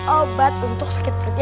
obat untuk sakit perut